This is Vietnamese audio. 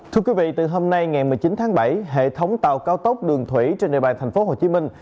thưa quý vị từ hôm nay ngày một mươi chín tháng bảy hệ thống tàu cao tốc đường thủy trên địa bàn thành phố hồ chí minh